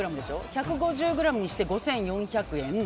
１５０ｇにして５４００円。